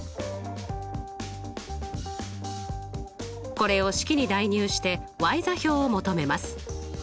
これを式に代入して座標を求めます。